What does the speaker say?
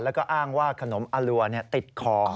แล้วก็อ้างว่าขนมอรัวติดคอ